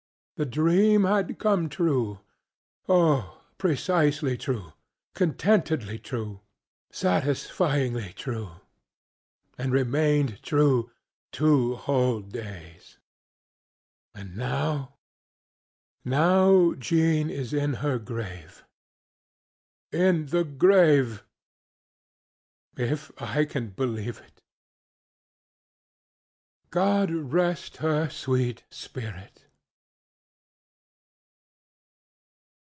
the dream had come trueŌĆöoh, precisely true, contentedly, true, satisfyingly true! and remained true two whole days. And now? Now Jean is in her grave! In the graveŌĆöif I can believe it. God rest her sweet spirit!